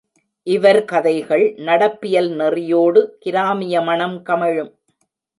இவர் கதைகள் நடப்பியல் நெறியோடு கிராமிய மனம் கமழும்.